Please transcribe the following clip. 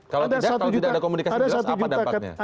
kalau tidak ada komunikasi jelas apa dampaknya